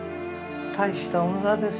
大した女ですよ